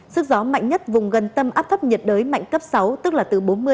sức gió mạnh nhất vùng gần tâm áp thấp nhiệt đới mạnh cấp sáu tức là từ bốn mươi năm đến một trăm linh km